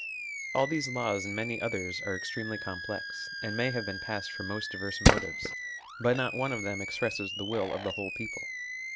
All these laws and many others are extremely complex, and may have been passed from most diverse motives, but not one of them expresses the will of the whole people.